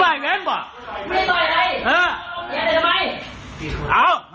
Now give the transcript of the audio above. ปรากฏว่าสิ่งที่เกิดขึ้นคือคลิปนี้ฮะ